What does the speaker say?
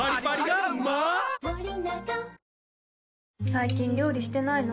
最近料理してないの？